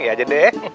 iya aja deh